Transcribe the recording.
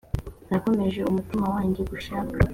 nakomeje umutima wanjye gushaka